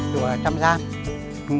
chùa trăm giang